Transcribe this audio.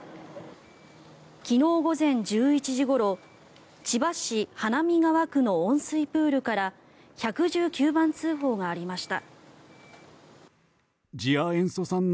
昨日午前１１時ごろ千葉市花見川区の温水プールから１１９番通報がありました。